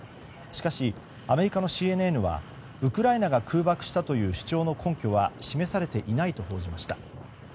しかし、アメリカのＣＮＮはウクライナが空爆したという主張の根拠は示されていないと報じました。